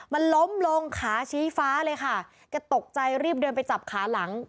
มันล้มลงขาชี้ฟ้าเลยค่ะแกตกใจรีบเดินไปจับขาหลัง